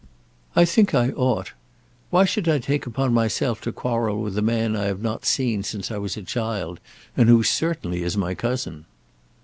"I think I ought. Why should I take upon myself to quarrel with a man I have not seen since I was a child, and who certainly is my cousin?"